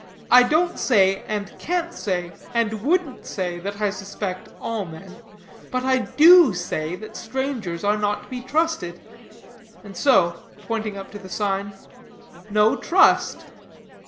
I don't say, and can't say, and wouldn't say, that I suspect all men; but I do say that strangers are not to be trusted, and so," pointing up to the sign, "no trust."